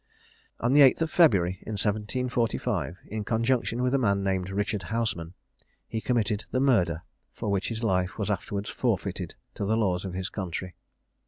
On the 8th of February 1745, in conjunction with a man named Richard Houseman, he committed the murder for which his life was afterwards forfeited to the laws of his country.